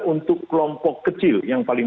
untuk kelompok kecil yang paling